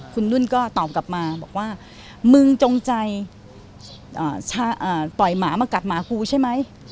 คุณนุ่นก็ตอบกลับมาบอกว่ามึงจงใจปล่อยหมามากัดหมากูใช่ไหม